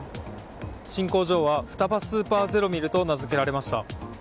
新工場はフタバスーパーゼロミルと名づけられました。